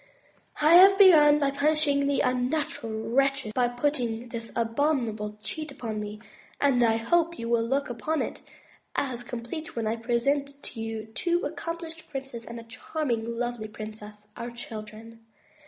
I have begun by punishing the unnatural wretches who put this abominable cheat upon me; and I hope you will look upon it as complete when I present to you two accomplished princes and a charming lovely princess, our children.